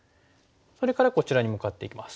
それからこちらに向かっていきます。